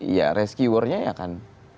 ya rescuernya akan